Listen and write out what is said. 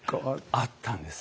あったんです。